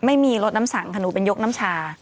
ไม่มีรถน้ำสังขนูเป็นยกน้ำชา